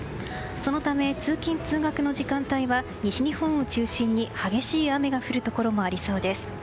そのため通勤・通学の時間帯は西日本を中心に激しい雨が降るところもありそうです。